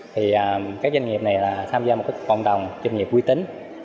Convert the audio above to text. thì các doanh nghiệp này tham gia một cộng đồng doanh nghiệp uy tín